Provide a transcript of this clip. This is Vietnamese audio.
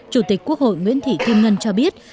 chủ tịch quốc hội nguyễn thị kim ngân cho biết